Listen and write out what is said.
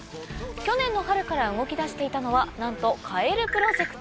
去年の春から動き出していたのはなんとカエルプロジェクト！